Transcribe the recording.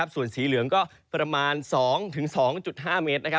ส่วนสีเหลืองก็ประมาณ๒๒๕เมตร